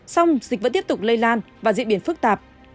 song dịch vẫn tiếp tục lây lan và diễn biến phức tạp